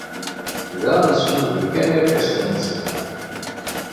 Da nesnuzuy kan irkasen n tsednan.